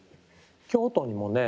京都にもね